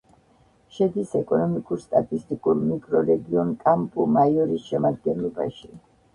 შედის ეკონომიკურ-სტატისტიკურ მიკრორეგიონ კამპუ-მაიორის შემადგენლობაში.